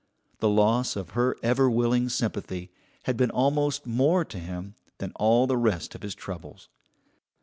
The loss of her ever willing sympathy had been almost more to him than all the rest of his troubles.